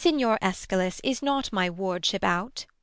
Signior Eschalus, is not my wardship out